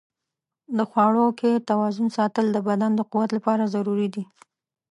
د خواړو کې توازن ساتل د بدن د قوت لپاره ضروري دي.